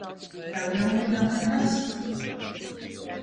Tev jau nu gan nekas!